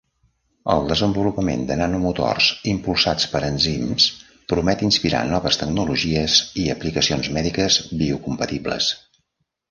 El desenvolupament de nanomotors impulsats per enzims promet inspirar noves tecnologies i aplicacions mèdiques biocompatibles.